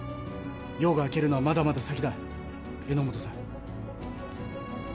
夜が明けるのはまだまだ先だ榎本さん。